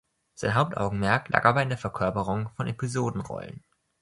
Sein Hauptaugenmerk lag aber in der Verkörperung von Episodenrollen.